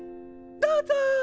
どうぞ！